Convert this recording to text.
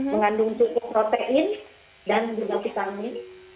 mengandung cukup protein dan juga vitamin